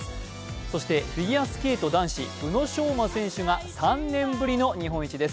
そしてフィギュアスケート男子、宇野昌磨選手が３年ぶりの日本一です。